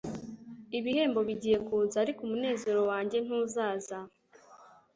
Ibihembo bigiye kuza, ariko umunezero wanjye ntuzaza.